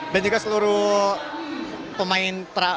dan juga seluruh pemain tersebut